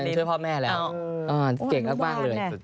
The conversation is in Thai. อันนี้หารไทยช่วยพ่อครับแล้ว